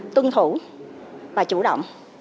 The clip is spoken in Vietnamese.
tuân thủ và chủ động